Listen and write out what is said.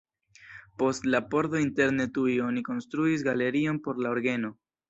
Post la pordo interne tuj oni konstruis galerion por la orgeno.